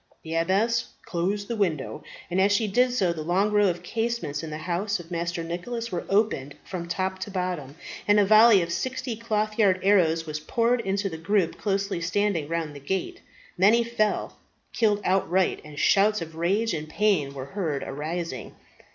The abbess closed the window, and as she did so the long row of casements in the house of Master Nicholas were opened from top to bottom, and a volley of sixty clothyard arrows was poured into the group closely standing round the gate. Many fell, killed outright, and shouts of rage and pain were heard arising.